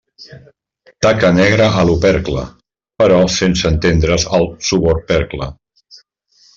Taca negra a l'opercle, però sense estendre's al subopercle.